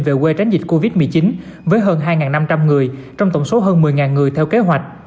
về quê tránh dịch covid một mươi chín với hơn hai năm trăm linh người trong tổng số hơn một mươi người theo kế hoạch